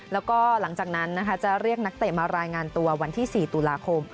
แล้วก็หลังจากนั้นนะคะจะเรียกนักเตะมารายงานตัววันที่๔ตุลาคม